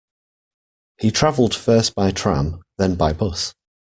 He travelled first by tram, then by bus